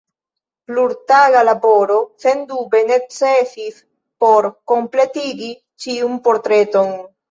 Plurtaga laboro sendube necesis por kompletigi ĉiun portreton.